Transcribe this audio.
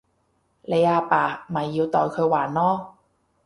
你阿爸咪要代佢還囉